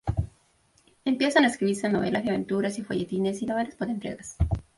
Empiezan a escribirse novelas de aventuras y folletines o novelas por entregas.